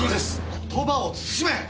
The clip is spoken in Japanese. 言葉を慎め！